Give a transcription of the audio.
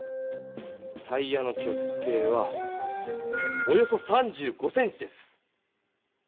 タイヤの直径はおよそ３５ｃｍです。